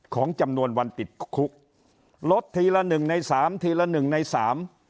ของจำนวนวันติดคุกลดทีละหนึ่งในสามทีละหนึ่งในสาม